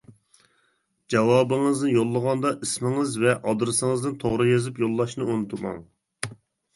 جاۋابىڭىزنى يوللىغاندا، ئىسمىڭىز ۋە ئادرېسىڭىزنى توغرا يېزىپ يوللاشنى ئۇنتۇماڭ.